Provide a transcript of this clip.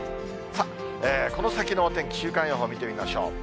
さあ、この先のお天気、週間予報を見てみましょう。